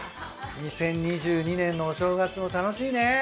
２０２２年のお正月も楽しいね。